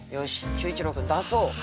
秀一郎君出そう！